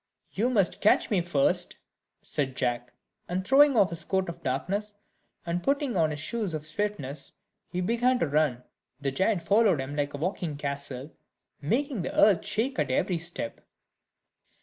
"You must catch me first," said Jack; and throwing off his coat of darkness, and putting on his shoes of swiftness, he began to run, the giant following him like a walking castle, making the earth shake at every step.